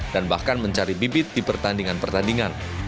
dan bahkan mencari bibit di pertandingan pertandingan